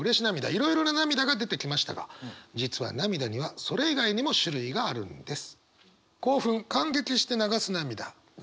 いろいろな涙が出てきましたが実は涙にはそれ以外にも種類があるんです。